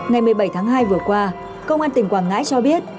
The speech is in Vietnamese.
ngày một mươi bảy tháng hai vừa qua công an tỉnh quảng ngãi cho biết